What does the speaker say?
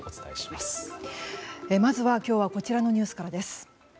まずは今日はこちらのニュースからです。